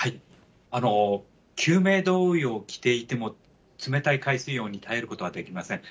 救命胴衣を着ていても、冷たい海水温に耐えることはできません。